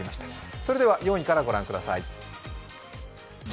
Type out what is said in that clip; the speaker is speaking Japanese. それでは４位からご覧ください。